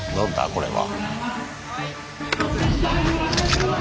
これは。